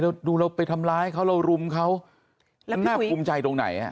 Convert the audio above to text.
ดูเราไปทำร้ายเขาเรารุมเขาน่าภูมิใจตรงไหนอ่ะ